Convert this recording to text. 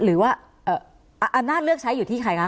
หรือว่าอำนาจเลือกใช้อยู่ที่ใครคะ